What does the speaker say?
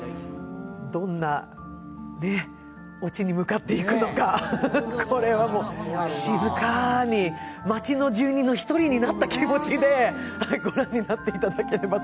どんなオチに向かっていくのか、これは静かに街の住人の１人になった気持ちでご覧になっていただければと。